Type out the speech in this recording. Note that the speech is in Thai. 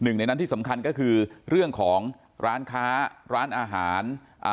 ๑ในหนันที่สำคัญก็คือเรื่องของร้านค้าร้านอาหาร